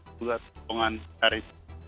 juga potongan jari